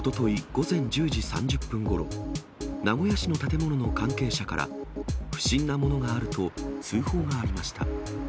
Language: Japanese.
午前１０時３０分ごろ、名古屋市の建物の関係者から、不審なものがあると通報がありました。